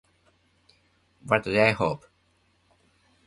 What Do I Hope?